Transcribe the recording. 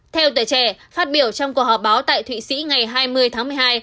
theo tuổi trẻ phát biểu trong cuộc họp báo tại thụy sĩ ngày hai mươi tháng một mươi hai